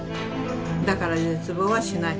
だから絶望はしない。